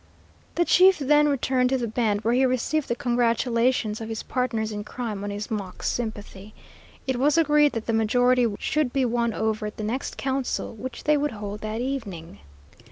The chief then returned to the band, where he received the congratulations of his partners in crime on his mock sympathy. It was agreed that the majority should be won over at the next council, which they would hold that evening.